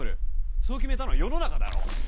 そう決めたのは世の中だろ。